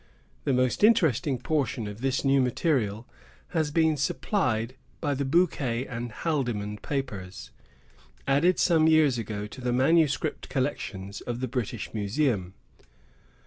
The most interesting portion of this new material has been supplied by the Bouquet and Haldimand Papers, added some years ago to the manuscript collections of the British Museum.